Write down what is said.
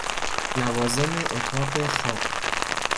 لوازم اتاق خواب